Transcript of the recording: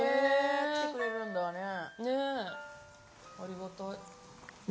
来てくれるんだね。